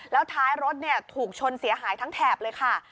แล้วท้ายรถถูกชนเสียหายทั้งแถบเลยค่ะ